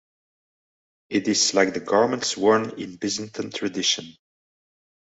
It is like the garments worn in Byzantine tradition.